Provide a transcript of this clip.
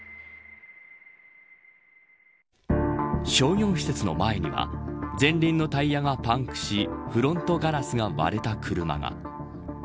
商業施設の前には前輪のタイヤがパンクしフロントガラスが割れた車が。